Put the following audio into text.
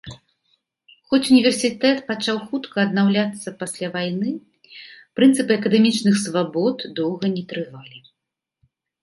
Хоць універсітэт пачаў хутка аднаўляцца пасля вайны, прынцыпы акадэмічных свабод доўга не трывалі.